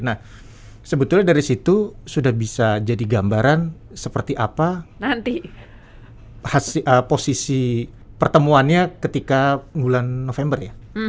nah sebetulnya dari situ sudah bisa jadi gambaran seperti apa posisi pertemuannya ketika bulan november ya